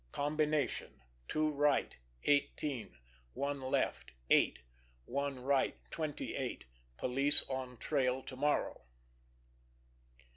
Combination: Two right, eighteen; one left, eight; one right, twenty eight. Police on trail to morrow.